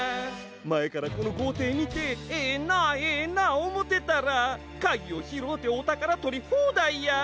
まえからこのごうていみてエナエナおもうてたらかぎをひろうておたからとりほうだいや。